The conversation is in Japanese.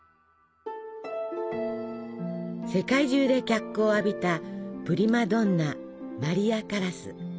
世界中で脚光を浴びたプリマドンナマリア・カラス。